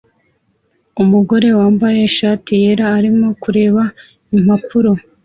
Umugore wambaye ishati yera arimo kureba impapuro